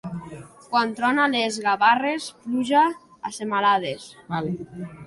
Quan trona a les Gavarres, pluja a semalades.